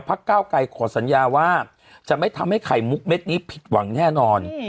ก้าวไกรขอสัญญาว่าจะไม่ทำให้ไข่มุกเม็ดนี้ผิดหวังแน่นอน